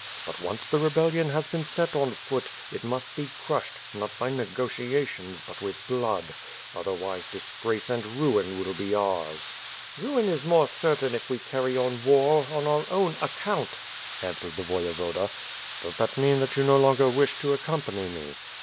But, once the rebellion has been set on foot, it must be crushed, not by negotiations, but with blood. Other wise, disgrace and ruin will be ours." WITH FIRE AND SWORD. 365 "Ruin is more certain if we carry on war on our own ac count," answered the Voyevoda. ''Does that mean that you no longer wish to accompany us."